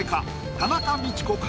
田中道子か？